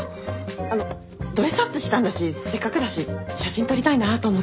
あのドレスアップしたんだしせっかくだし写真撮りたいなと思って。